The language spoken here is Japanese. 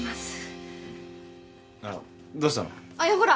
どうしたの？